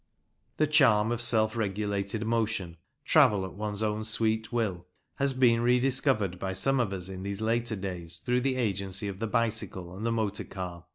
The charm of self regulated motion travel at one's own sweet will has been rediscovered by some of us in these later days through the agency of the bicycle and the motor car.